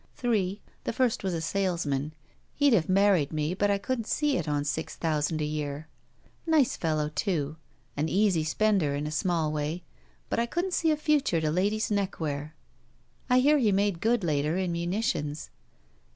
Three. The first was a salesman. He'd have mar ried me, but I couldn't see it on six thousand a year. Nice fellow, too — an easy spender in a small way, but I couldn't see a future to ladies' neckwear. I hear he made good later in mtmitions.